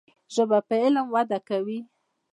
ژبه په علم وده کوي.